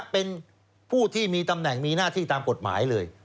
เป็นผู้ที่มีตำแหน่งมีหน้าที่ตามกฎหมายเลย